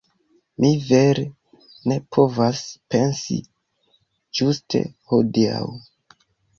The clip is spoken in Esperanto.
Mi vere ne povas pensi ĝuste hodiaŭ